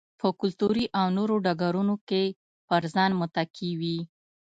په کلتوري او نورو ډګرونو کې پر ځان متکي وي.